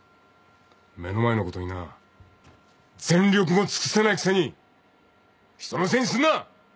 目の前のことにな全力も尽くせないくせに人のせいにするな。